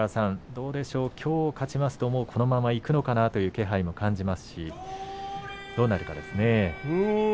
きょう勝ちますとこのままいくのかなという気配も感じますし、どうなるかですね。